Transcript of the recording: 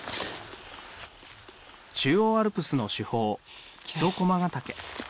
中央アルプスの主峰木曽駒ケ岳。